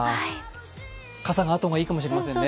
傘があった方がいいかもしれないですね。